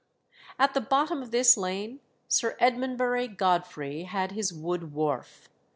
At the bottom of this lane Sir Edmondbury Godfrey had his wood wharf.